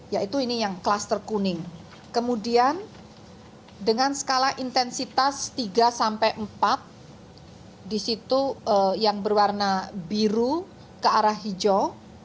yaitu ini yang klaster kuning kemudian dengan skala intensitas tiga sampai empat disitu yang berwarna biru ke arah hijau